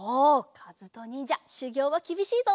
かずとにんじゃしゅぎょうはきびしいぞ。